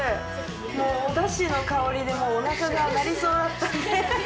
もうお出汁の香りでおなかが鳴りそうだったんで。